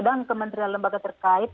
dan kementerian lembaga terkait